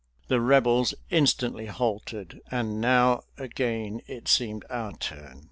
The Rebels instantly halted, and now again it seemed our turn.